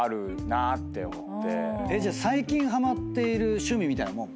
じゃあ最近ハマっている趣味みたいなもん？